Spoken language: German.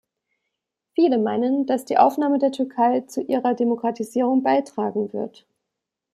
Viele meinen, dass die Aufnahme der Türkei zu ihrer Demokratisierung beitragen wird.